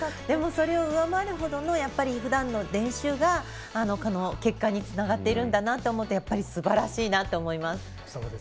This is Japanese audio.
でも、それを上回るほどのふだんの練習が、この結果につながっているんだと思うとやっぱり、すばらしいと思います。